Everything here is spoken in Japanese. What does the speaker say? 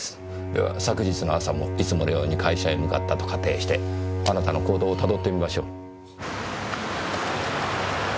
では昨日の朝もいつものように会社へ向かったと仮定してあなたの行動を辿ってみましょう。